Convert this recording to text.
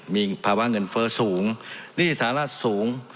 มีภาวะเงินเฟ้อสูงหนี้สาระสูง